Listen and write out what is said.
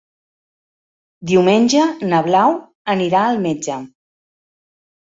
Diumenge na Blau anirà al metge.